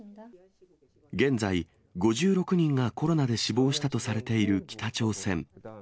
現在、５６人がコロナで死亡したとされている北朝鮮。